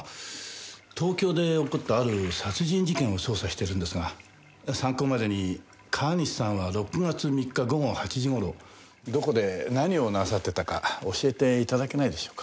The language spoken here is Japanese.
東京で起こったある殺人事件を捜査しているんですが参考までに川西さんは６月３日午後８時頃どこで何をなさっていたか教えて頂けないでしょうか？